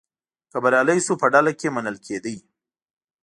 که بریالی شو په ډله کې منل کېدی.